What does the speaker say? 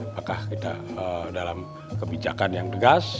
apakah kita dalam kebijakan yang tegas